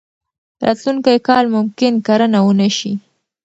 راتلونکی کال ممکن کرنه ونه شي.